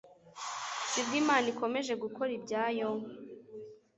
sibwo Imana ikomeje gukora ibyayo,